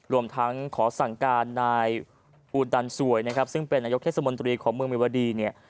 รวมทั้งขอสั่งการนายอูดันสวยนะครับซึ่งเป็นนายกเทศมนตรีของเมืองมิวดีเนี่ย